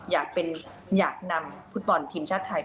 อยากนำฟุตบอลทีมชาติไทย